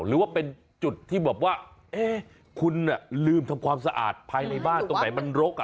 หรือว่าเป็นจุดที่แบบว่าคุณลืมทำความสะอาดภายในบ้านตรงไหนมันรก